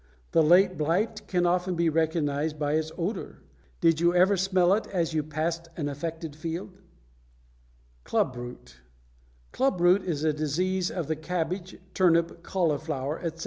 The late blight can often be recognized by its odor. Did you ever smell it as you passed an affected field? [Illustration: FIG. 131. CLUB ROOT] =Club Root.= Club root is a disease of the cabbage, turnip, cauliflower, etc.